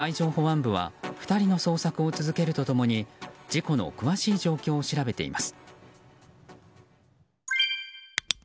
海上保安部は２人の捜索を続けると共に事故の詳しい状況を調べています。